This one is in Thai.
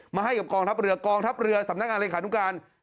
ให้กับกองทัพเรือกองทัพเรือสำนักงานเลขานุการ